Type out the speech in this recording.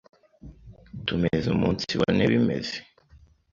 Tumeze umunsibone bimeze